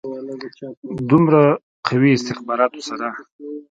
دومره قوي استخباراتو سره.